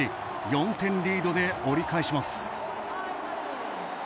４点リードで折り返します。